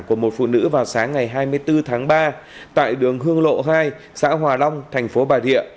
của một phụ nữ vào sáng ngày hai mươi bốn tháng ba tại đường hương lộ hai xã hòa long thành phố bà địa